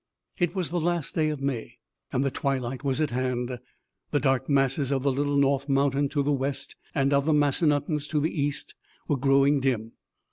It was the last day of May and the twilight was at hand. The dark masses of Little North Mountain to the west and of the Massanuttons to the east were growing dim.